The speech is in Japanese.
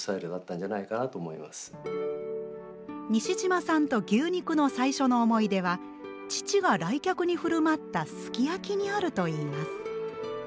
西島さんと牛肉の最初の思い出は父が来客に振る舞ったすき焼きにあるといいます。